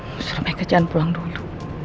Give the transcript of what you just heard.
mesti mereka jangan pulang dulu